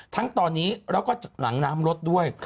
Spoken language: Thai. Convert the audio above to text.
ทั้งตอนนี้แล้วก็จากหลังน้ำรถด้วย